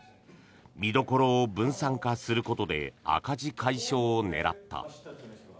見どころを分散化することで赤字解消を狙った。